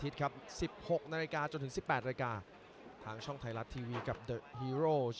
จังหวาดึงซ้ายตายังดีอยู่ครับเพชรมงคล